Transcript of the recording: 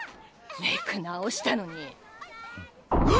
メイク直したのに。